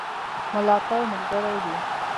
ملاتړ ملګری وي.